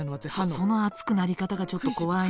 その熱くなり方がちょっと怖いのよ。